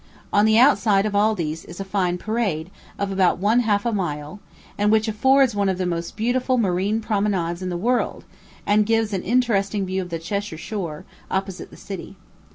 On the outside of all these is a fine parade, of about one half a mile, and which affords one of the most beautiful marine promenades in the world, and gives an interesting view of the Cheshire shore, opposite the city.